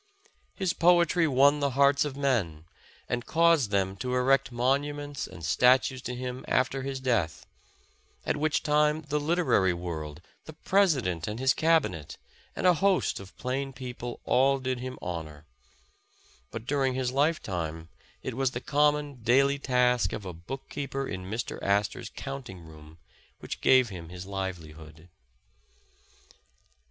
His poetry won the hearts of men, and caused them to erect monu ments and statues to him after his death, at which 276 Friends and Companions time the literary world, the President and his Cabinet, and a host of plain people, all did him honor; but dur ing his life time it was the common, daily task of a book keeper in Mr. Astor's counting room, which gave him his livelihood.